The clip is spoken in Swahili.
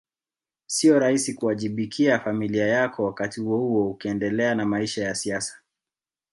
Sio rahisi kuwajibikia familia yako wakati huohuo ukiendelea na maisha ya siasa